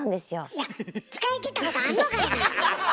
いや使い切ったことあんのかいな！